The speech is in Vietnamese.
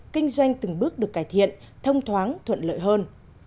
kinh doanh từng bước được cải thiện thông thoáng thuận lợi hơn